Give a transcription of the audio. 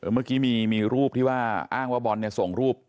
เมื่อกี้มีรูปที่ว่าอ้างว่าบอลส่งรูป